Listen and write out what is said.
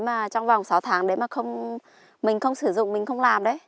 mà trong vòng sáu tháng đấy mà mình không sử dụng mình không làm đấy